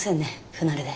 不慣れで。